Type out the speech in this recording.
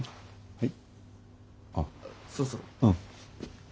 はい。